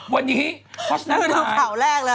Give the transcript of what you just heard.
วันนี้คอสนัดไลน์